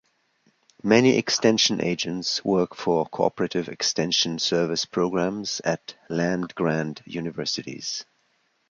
Many extension agents work for cooperative extension service programs at land-grant universities.